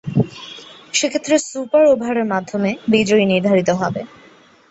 সেক্ষেত্রে সুপার ওভারের মাধ্যমে বিজয়ী নির্ধারিত হবে।